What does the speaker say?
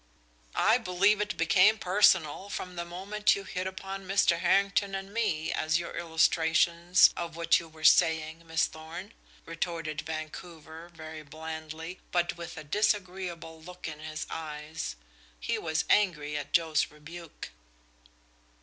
"I believe it became personal from the moment you hit upon Mr. Harrington and me as illustrations of what you were saying, Miss Thorn," retorted Vancouver, very blandly, but with a disagreeable look in his eyes. He was angry at Joe's rebuke.